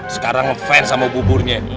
sekarang fans sama buburnya